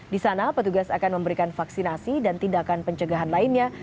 di sana petugas akan memberikan vaksinasi dan tindakan pencegahan lainnya